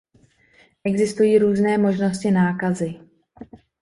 Existují různé možnosti nákazy.